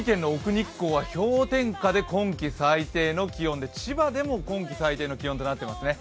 日光は氷点下で今季最低の気温で千葉でも今季最低の気温となっていますね。